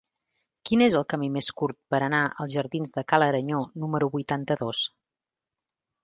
Quin és el camí més curt per anar als jardins de Ca l'Aranyó número vuitanta-dos?